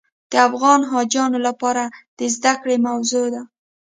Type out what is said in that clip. د افغان حاجیانو لپاره د زده کړې موضوع ده.